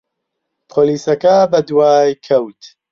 پۆلیسەکە بەدوای کەوت.